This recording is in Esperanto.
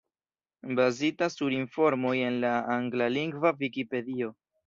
Bazita sur informoj en la anglalingva Vikipedio.